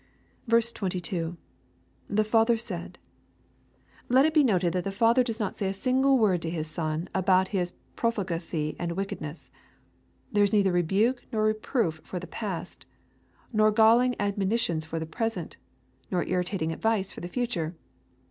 22. — [The father said.] Let it be noted that the fiither does no* 188 EXPOSITORY THOUGHTS. say a single word to his son about his profligacy and wickedness. There is neither rebuke nor reproof for the past, nor galling admo ^ nitions for the j)resent, nor irritating advice for the future.